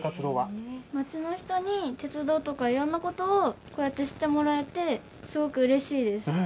町の人に鉄道とかいろんなことをこうやって知ってもらえて、すごくうれしいです。